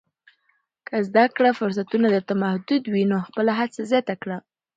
که د زده کړې فرصتونه درته محدود وي، نو خپله هڅه زیاته کړه.